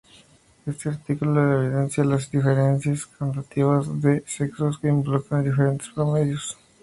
Este artículo evidencia las diferencias cuantitativas entre sexos que involucran diferentes promedios.